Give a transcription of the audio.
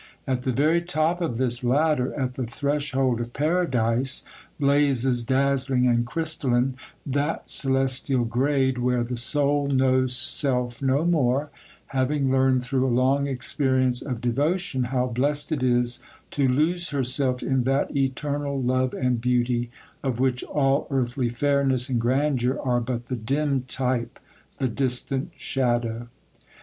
At the very top of this ladder, at the threshold of Paradise, blazes dazzling and crystalline that celestial grade where the soul knows self no more, having learned, through a long experience of devotion, how blest it is to lose herself in that eternal Love and Beauty of which all earthly fairness and grandeur are but the dim type, the distant shadow.